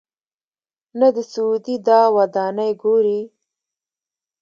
نه د سعودي دا ودانۍ ګوري.